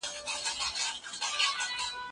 قانون د ټولو لپاره یو دی.